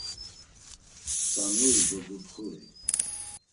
Mtzanuri do Dutxuri.